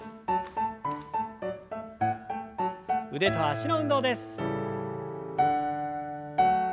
腕と脚の運動です。